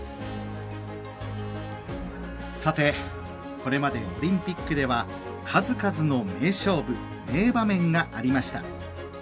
これまでオリンピックでは数々の名勝負名場面がありました。